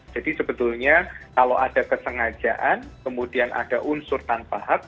jadi sebetulnya kalau ada kesengajaan kemudian ada unsur tanpa hak